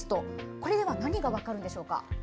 これでは何が分かるんでしょうか？